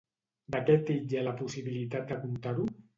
De què titlla la possibilitat de contar-ho?